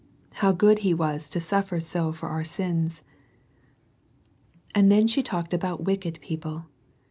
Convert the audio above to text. How good He was to suffer so for our sins." And then she talked about wicked people.